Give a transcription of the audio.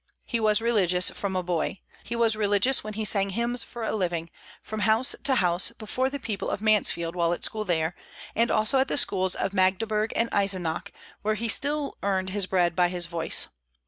He was religious from a boy. He was religious when he sang hymns for a living, from house to house, before the people of Mansfield while at school there, and also at the schools of Magdeburg and Eisenach, where he still earned his bread by his voice.